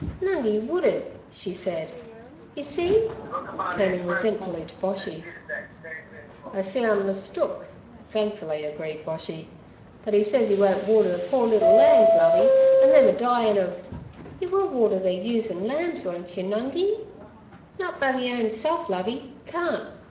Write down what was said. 'Nungi wouldn't' she said, 'you see'—turning resentfully to Boshy. 'I see I'm mistook' thankfully agreed Boshy; 'but 'e sez 'e won't water ther poor liddle lambs, Lovey, an' them a dyin' ov—' 'Yer will water ther ewes an' lambs, won't yer, Nungi?' 'Nut be me owen self, Lovey—carn't.